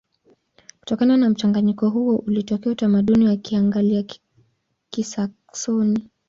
Kutokana na mchanganyiko huo ulitokea utamaduni wa Kianglia-Kisaksoni.